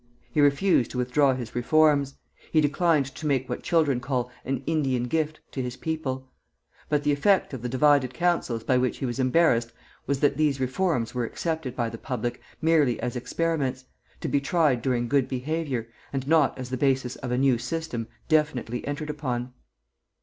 He refused to withdraw his reforms; he declined to make what children call "an Indian gift" to his people: but the effect of the divided counsels by which he was embarrassed was that these reforms were accepted by the public merely as experiments, to be tried during good behavior, and not as the basis of a new system definitively entered upon.